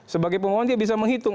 sebagai pemohon dia bisa menghitung